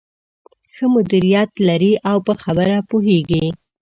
ښه مديريت لري او په خبره پوهېږې.